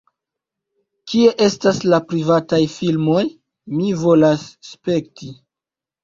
"Kie estas la privataj filmoj? Mi volas spekti"